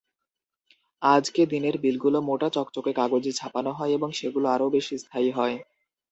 আজকে, দিনের বিলগুলো মোটা চকচকে কাগজে ছাপানো হয় এবং সেগুলো আরও বেশি স্থায়ী হয়।